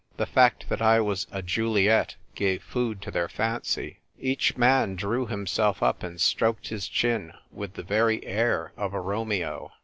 The fact that I was a Juliet gave food to their fancy. Each man drew himself up and stroked his chin with the very air of a Romeo.